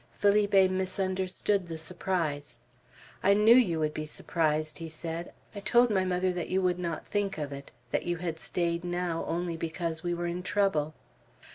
Felipe misunderstood the surprise. "I knew you would be surprised," he said. "I told my mother that you would not think of it; that you had stayed now only because we were in trouble."